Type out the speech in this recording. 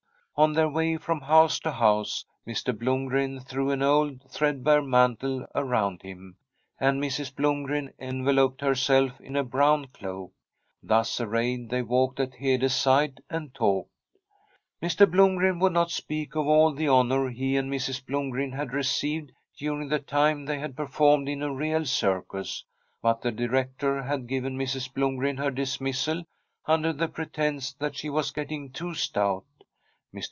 On their way from house to house Mr. Blom gren threw an old threadbare mantle around him, and Mrs. Blomgren enveloped herself in a brown cloak. Thus arrayed, they walked at Hede's side and talked. Mr. Blomgren would not speak of all the honour he and Mrs. Blomgren had received dur ing the time they had performed in a real circus : but the directeur had given Mrs. Blomgren her dismissal under the pretence that she was getting too stout. Mr.